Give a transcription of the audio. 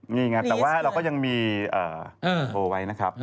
นี่ไงแต่ว่าเราก็ยังมีโทรไว้นะครับ